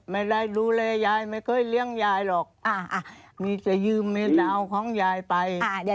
ไม่ได้ดูแลยายไม่เคยเลี้ยงยายหรอกมีแต่ยืมเม็ดเอาของยายไป